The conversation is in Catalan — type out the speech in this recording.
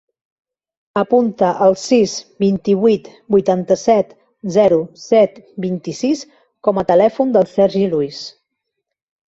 Apunta el sis, vint-i-vuit, vuitanta-set, zero, set, vint-i-sis com a telèfon del Sergi Luis.